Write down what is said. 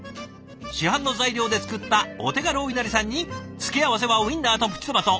市販の材料で作ったお手軽おいなりさんに付け合わせはウインナーとプチトマト。